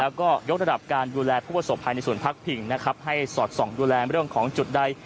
แล้วก็ยกระดับการดูแลผู้ประสบภัยในส่วนพักผิงนะครับให้สอดส่องดูแลเรื่องของจุดใด